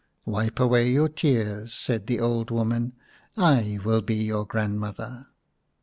" Wipe away your tears," said the old woman. " I will be your grandmother."